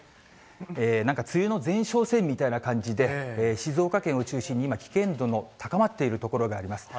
なんか梅雨の前哨戦みたいな感じで、静岡県を中心に、今、危険度の高まっている所があります。